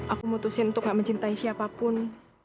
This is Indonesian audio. aku mutusin untuk gak mencintai siapapun